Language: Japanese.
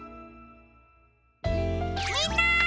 みんな！